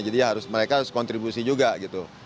jadi harus mereka harus kontribusi juga gitu